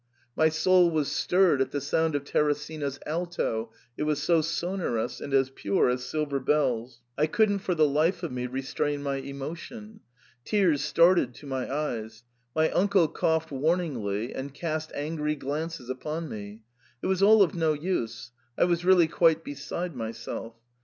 My soul was stirred at the sound of Teresina's alto, it was so sonorous, and as pure as silver bells. I couldn't for the life of me restrain my emotion ; tears started to my eyes. My uncle coughed warningly, and cast angry glances upon me ; it was all of no use, I was really quite beside my self.